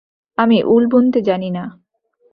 আমি উল বুনতে জানি না।